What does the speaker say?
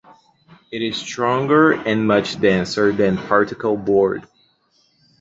It is stronger and much denser than particle board.